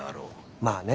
まあね。